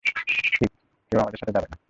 ঠিক, কেউ আমাদের সাথে যাবে না।